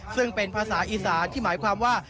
ซึ่งเป็นภาษาอีสานที่หมายความว่า